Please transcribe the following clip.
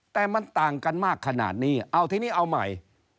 แต่มันต่างกันมากขนาดนี้เอาทีนี้เอาใหม่